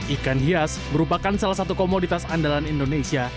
ikan hias merupakan salah satu komoditas andalan indonesia